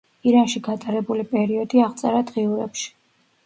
ირანში გატარებული პერიოდი აღწერა დღიურებში.